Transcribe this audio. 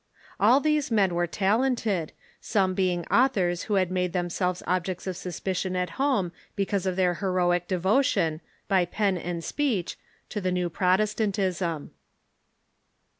All these men were talented, some being authors who bad made themselves objects of suspicion at home because of their heroic devotion, by pen and speech, to the new Protestantism.